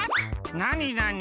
なになに？